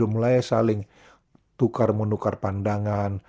mulai saling tukar menukar pandangan